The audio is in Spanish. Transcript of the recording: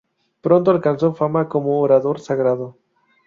Pronto alcanzó fama como orador sagrado.